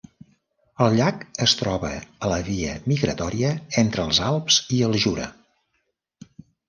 El llac es troba a la via migratòria entre els Alps i el Jura.